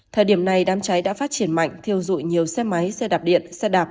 thời điểm này đám cháy đã phát triển mạnh thiêu dụi nhiều xe máy xe đạp điện xe đạp